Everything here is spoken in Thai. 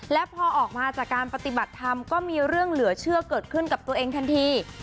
และพอออกมาจากการปฏิบัติธรรมก็มีเรื่องเหลือเชื่อเกิดขึ้นกับตัวเองทันที